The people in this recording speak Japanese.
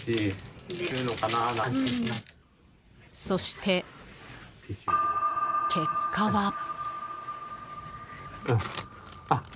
そして、結果は。